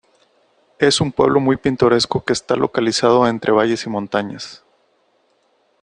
Es un pueblo muy pintoresco que está localizado entre valles y montañas.